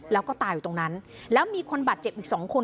แล้วก็ตายอยู่ตรงนั้นแล้วมีคนบาดเจ็บอีกสองคน